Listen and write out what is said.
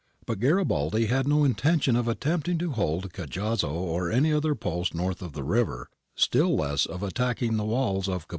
But Garibaldi had no intention of attempting to hold Cajazzo or any other post north of the river, still less of attacking the walls of Capua.